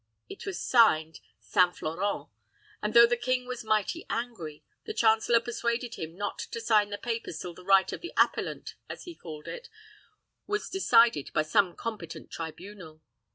It was signed 'St. Florent;' and, though the king was mighty angry, the chancellor persuaded him not to sign the papers till the right of the appellant, as he called it, was decided by some competent tribunal."